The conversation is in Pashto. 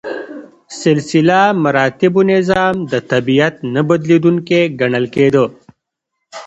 سلسله مراتبو نظام د طبیعت نه بدلیدونکی ګڼل کېده.